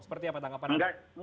seperti apa tanggapan anda